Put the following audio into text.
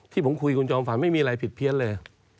ที่ผมคุยคุณจอมฝันไม่มีอะไรผิดเพี้ยนเลย